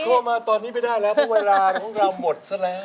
โทรมาตอนนี้ไม่ได้แล้วเพราะเวลาของเราหมดซะแล้ว